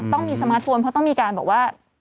ต้องมีสมาร์ทโฟนเพราะต้องมีการบอกว่า